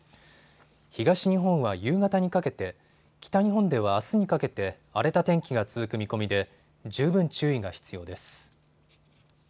東日本は夕方にかけて、北日本ではあすにかけて荒れた天気が続く見込みで十分注意が必要です。